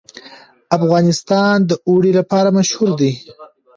افغانستان د اوړي لپاره مشهور دی.